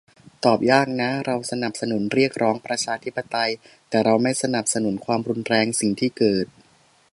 ตอบยากนะ เราสนับสนุนเรียกร้องประชาธิปไตย แต่เราไม่สนับสนุนความรุนแรง สิ่งที่เกิด